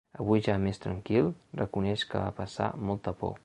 Avui, ja més tranquil, reconeix que va passar molta por.